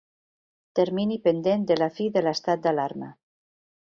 Termini pendent de la fi de l'estat d'alarma.